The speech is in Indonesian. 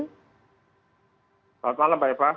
selamat malam pak eva